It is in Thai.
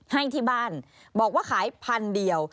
ให้ที่บ้านบอกว่าขายพันเดียว